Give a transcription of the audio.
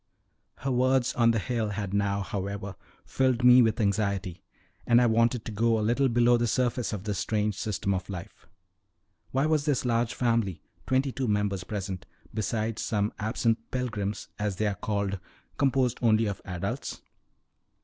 Her words on the hill had now, however, filled me with anxiety, and I wanted to go a little below the surface of this strange system of life. Why was this large family twenty two members present, besides some absent pilgrims, as they are called composed only of adults?